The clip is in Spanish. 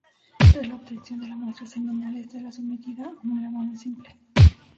Tras la obtención de la muestra seminal, esta es sometida a un lavado simple.